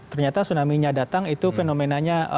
ternyata tsunami nya datang itu fenomenanya